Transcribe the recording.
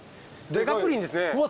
でかプリンですね。